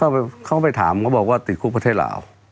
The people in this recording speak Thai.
เขาไปถามเขาบอกว่าติดคุกประเทศลาว